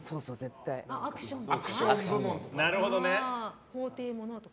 アクション部門とか。